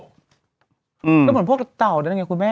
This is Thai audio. ก็เหมือนพวกเต่านั่นไงคุณแม่